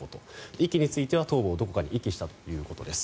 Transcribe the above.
遺棄については頭部をどこかに遺棄したということです。